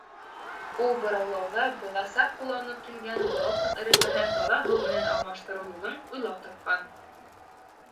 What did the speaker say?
Ул быраулауҙа бығаса ҡулланылып килгән балсыҡ эретмәһен таҙа һыу менән алмаштырыу юлын уйлап тапҡан.